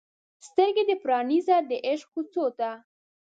سترګې دې پرانیزه د عشق کوڅو ته